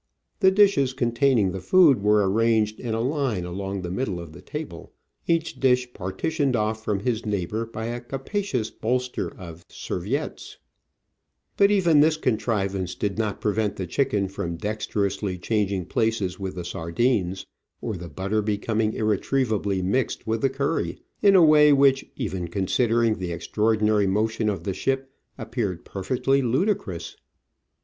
The dishes containing the food were arranged in a line along the middle of the table, each dish partitioned off from his neighbour by a capacious bolster of serviettes; but even this contrivance did not prevent the chicken from dexterously changing places with the sardines, or the butter becoming irretrievably mixed with the curry, in a way which, even considering the extraor dinary motion of the ship, appeared perfectly ludi crous.